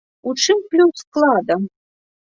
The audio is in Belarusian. У чым плюс склада?